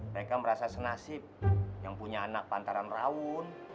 mereka merasa senasib yang punya anak pantaran raun